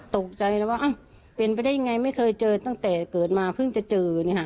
ตกใจแล้วว่าเป็นไปได้ยังไงไม่เคยเจอตั้งแต่เกิดมาเพิ่งจะเจอ